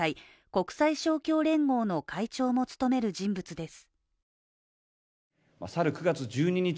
国際勝共連合の会長も務める人物です。